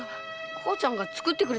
母ちゃんが作ってくれたんだ。